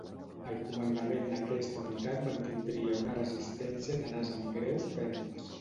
Al comandament d'aquesta unitat mantindria una resistència tenaç amb greus pèrdues.